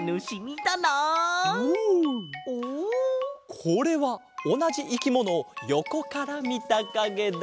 これはおなじいきものをよこからみたかげだ。